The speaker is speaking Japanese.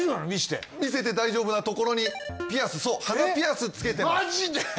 見せて見せて大丈夫なところにピアスそう鼻ピアスつけてますマジで！？